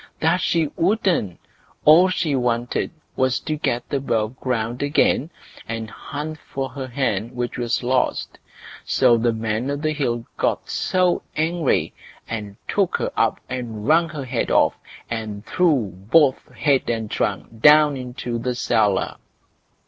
that she wouldn't; all she wanted was to get above ground again, and hunt for her hen which was lost. So the Man o' the Hill got angry, and took her up and wrung her head off, and threw both head and trunk down into the cellar.